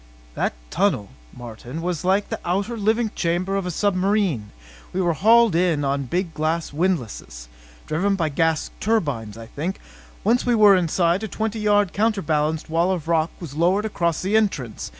"That tunnel, Martin, was like the outer diving chamber of a submarine. We were hauled in on a big windlass driven by gas turbines, I think. Once we were inside, a twenty yard, counterbalanced wall of rock was lowered across the entrance.